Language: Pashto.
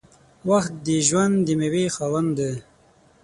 • وخت د ژوند د میوې خاوند دی.